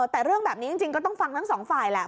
แต่เรื่องแบบนี้จริงก็ต้องฟังทั้งสองฝ่ายแหละ